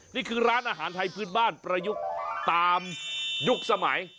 นี่คือร้านอาหารไทยพื้นบ้านประยุกต์ตามยุคสมัย